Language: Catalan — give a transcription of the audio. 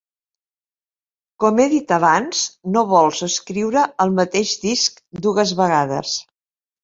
Com he dit abans, no vols escriure el mateix disc dues vegades.